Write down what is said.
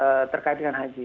memutuskan terkait dengan haji